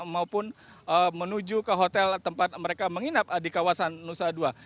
maupun menuju ke hotel tempat mereka menginap di kawasan nusa dua